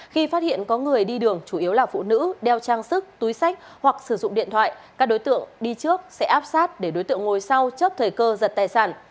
khi phát hiện có người đi đường chủ yếu là phụ nữ đeo trang sức túi sách hoặc sử dụng điện thoại các đối tượng đi trước sẽ áp sát để đối tượng ngồi sau chấp thời cơ giật tài sản